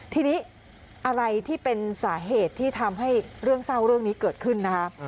ทีนี้อะไรที่เป็นสาเหตุที่ทำให้เรื่องเศร้าเรื่องนี้เกิดขึ้นนะคะ